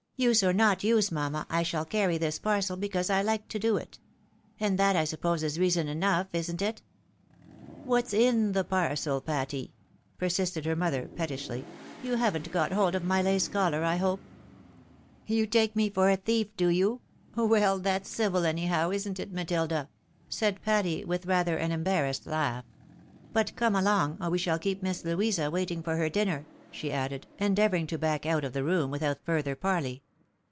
"" Use or not use, mamma, I shall carry this parcel, because IMke to do it ; and that, I suppose, is reason enough, isn't it? "" What's in the parcel, Patty ?" persisted her mother, pettishly. " You haven't got hold of my lace collar, I hope ?"" You take me for a tHef, do you? Well, that's civil any how, isn't it, Matilda ?" said Patty, with rather an embarrassed laugh. " But come along, or we shall keep Miss Louisa waiting for her dinner," she added, endeavouring to back out of the room without further parley.